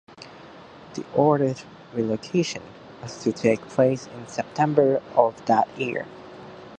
The ordered relocation was to take place in September of that year.